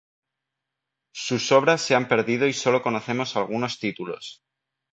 Sus obras se han perdido y solo conocemos algunos títulos.